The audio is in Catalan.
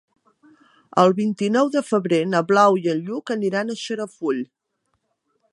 El vint-i-nou de febrer na Blau i en Lluc aniran a Xarafull.